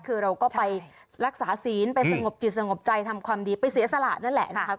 คือเราก็ไปรักษาศีลไปสงบจิตสงบใจทำความดีไปเสียสละนั่นแหละนะครับ